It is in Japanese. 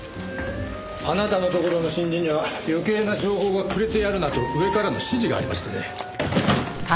あなたのところの新人には余計な情報はくれてやるなと上からの指示がありましてね。